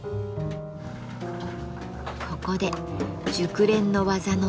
ここで熟練の技の出番。